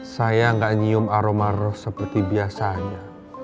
saya gak nyium aroma rose seperti biasanya